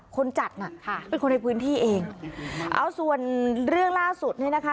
คนจัดน่ะค่ะเป็นคนในพื้นที่เองเอาส่วนเรื่องล่าสุดเนี่ยนะคะ